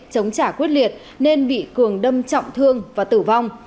chống trả quyết liệt nên bị cường đâm trọng thương và tử vong